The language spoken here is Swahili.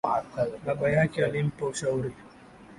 Baba yake alimpa ushauri.